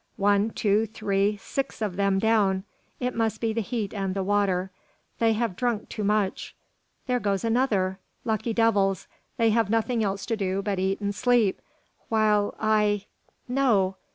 One, two, three, six of them down! It must be the heat and the water. They have drunk too much. There goes another. Lucky devils! They have nothing else to do but eat and sleep, while I no!